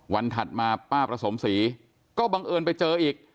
ถัดมาป้าประสมศรีก็บังเอิญไปเจออีก